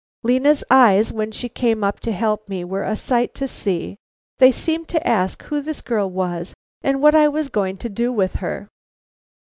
Lena's eyes when she came up to help me were a sight to see. They seemed to ask who this girl was and what I was going to do with her.